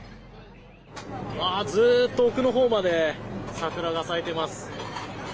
ずっと奥のほうまで桜が咲いています。